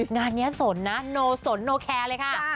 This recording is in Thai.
งานนี้สนนะโนสนโนแคร์เลยค่ะ